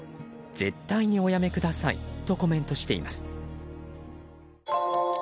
絶対におやめくださいとコメントしています。